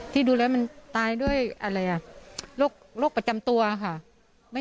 ที่ดูแลมันตายด้วยโรคประจำตัวค่ะ